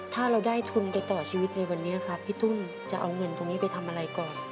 ถ้าเราได้ทุนไปต่อชีวิตในวันนี้ครับพี่ตุ้มจะเอาเงินตรงนี้ไปทำอะไรก่อน